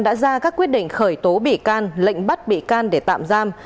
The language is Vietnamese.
đã ra các quyết định khởi tố bị can lệnh bắt bị can để tạm giam